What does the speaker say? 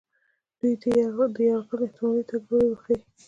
دوی دې د یرغل احتمالي تګ لوري وښیي.